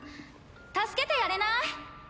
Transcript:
助けてやれない？